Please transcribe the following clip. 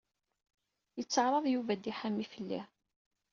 Itteɛṛaḍ Yuba ad iḥami fell-i.